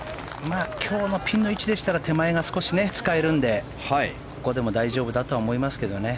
今日のピンの位置でしたら手前が使えるのでここでも大丈夫だとは思いますけどね。